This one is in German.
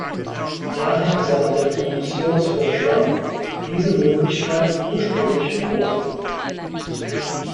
Daher sah der Kommissionsvorschlag diese Möglichkeit ursprünglich vor.